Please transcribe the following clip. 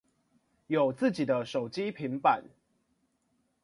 有自己的手機平板